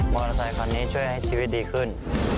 อเตอร์ไซคันนี้ช่วยให้ชีวิตดีขึ้น